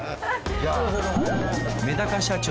メダカ社長